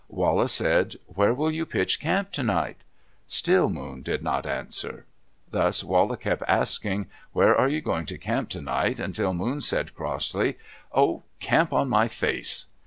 Wala said, "Where will you pitch camp tonight?" Still Moon did not answer. Thus Wala kept asking, "Where are you going to camp tonight?" until Moon said crossly, "Oh, camp on my face!"